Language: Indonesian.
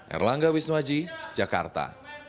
erlangga wisnuhaji jakarta